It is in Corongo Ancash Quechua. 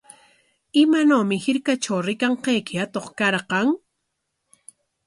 ¿Imanawmi hirkatraw rikanqayki atuq karqan?